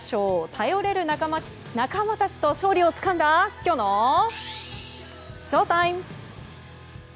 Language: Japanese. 頼れる仲間たちと勝利をつかんだきょうのＳＨＯＴＩＭＥ。